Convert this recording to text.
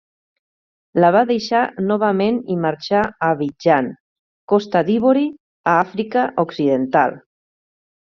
La va deixar novament i marxà a Abidjan, Costa d'Ivori, a Àfrica Occidental.